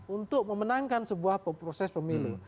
untuk memenangkan sebuah proses pemilu